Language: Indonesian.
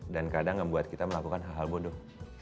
dan kadang ngebuat kita melakukan hal hal bodoh